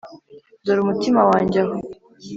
dore umutima wanjye aho